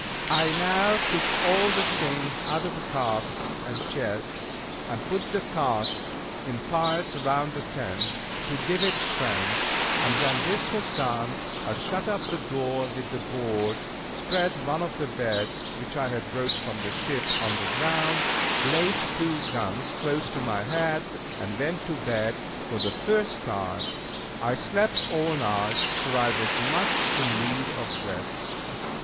I now took all the things out of the casks and chests, and put the casks in piles round the tent, to give it strength; and when this was done, I shut up the door with the boards, spread one of the beds (which I had brought from the ship) on the ground, laid two guns close to my head, and went to bed for the first time. I slept all night, for I was much in need of rest.